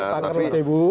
pak krimat ibu